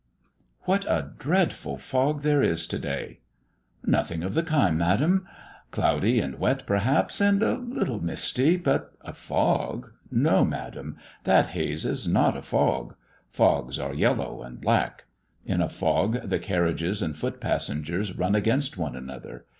"What a dreadful fog there is to day!" "Nothing of the kind, Madam. Cloudy and wet, perhaps, and a little misty; but a fog no Madam, that haze is not a fog. Fogs are yellow and black; in a fog, the carriages and foot passengers run against one another.